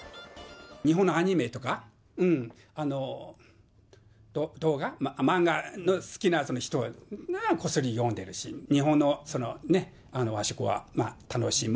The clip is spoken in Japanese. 日本のアニメとか、動画、漫画が好きな人はこっそり読んでるし、日本の和食は楽しむ。